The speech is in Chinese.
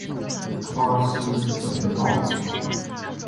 巴西隆沃泽。